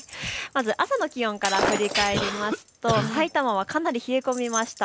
朝の気温から振り返りますとさいたまはかなり冷え込みました。